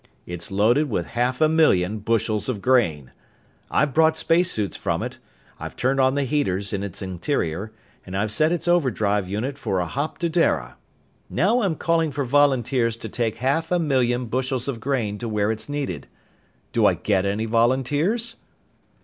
"It's loaded with half a million bushels of grain. I've brought spacesuits from it, I've turned on the heaters in its interior, and I've set its overdrive unit for a hop to Dara. Now I'm calling for volunteers to take half a million bushels of grain to where it's needed. Do I get any volunteers?"